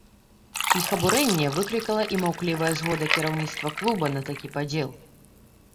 Іх абурэнне выклікала і маўклівая згода кіраўніцтва клуба на такі падзел.